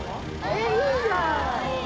えいいじゃん。